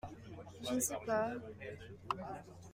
Je ne sais pas…